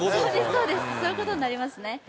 そうですそういうことになりますね